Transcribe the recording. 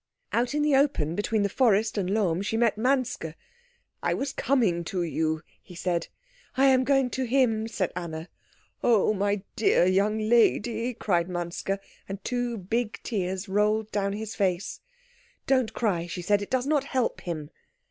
Out in the open, between the forest and Lohm, she met Manske. "I was coming to you," he said. "I am going to him," said Anna. "Oh, my dear young lady!" cried Manske; and two big tears rolled down his face. "Don't cry," she said, "it does not help him."